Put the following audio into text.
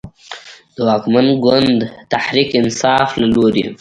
د واکمن ګوند تحریک انصاف له لورې